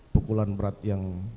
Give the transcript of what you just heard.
pukulan berat yang